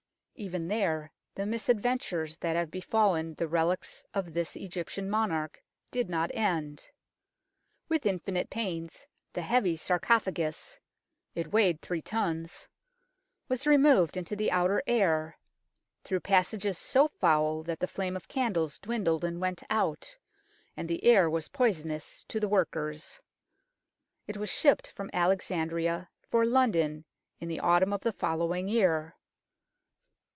Even there the misadventures that have be fallen the relics of this Egyptian monarch did not end. With infinite pains the heavy sarco phagus it weighed three tons was removed into the outer air, through passages so foul that the flame of candles dwindled and went out, and the air was poisonous to the workers. It was shipped from Alexandria for London in the autumn of the following year.